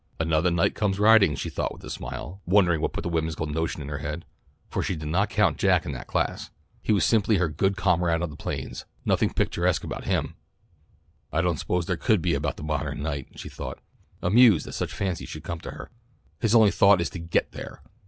"Anothah knight comes riding," she thought with a smile, wondering what put the whimsical notion in her head, for she did not count Jack in that class. He was simply her good comrade of the plains, nothing picturesque about him. "I don't suppose there could be about the modern knight," she thought, amused that such fancies should come to her. "His only thought is to 'get there.'